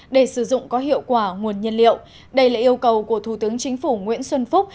để sử dụng có hiệu quả nguồn nhân liệu đây là yêu cầu của thủ tướng chính phủ nguyễn xuân phúc